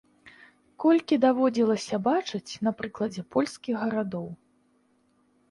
Колькі даводзілася бачыць на прыкладзе польскіх гарадоў.